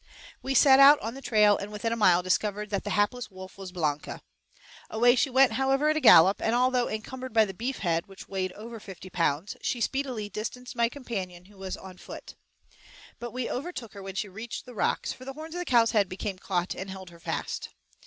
We set out on the trail, and within a mile discovered that the hapless wolf was Blanca. Away she went, however, at a gallop, and although encumbered by the beef head, which weighed over fifty pounds, she speedily distanced my companion, who was on foot. But we overtook her when she reached the rocks, for the horns of the cow's head became caught and held her fast.